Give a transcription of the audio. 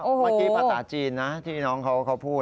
เมื่อกี้ภาษาจีนนะที่น้องเขาพูด